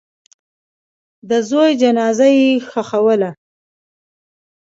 د زوی جنازه یې ښخوله.